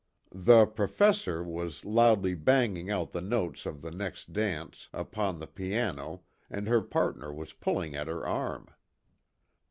The "professor" was loudly banging out the notes of the next dance upon the piano, and her partner was pulling at her arm.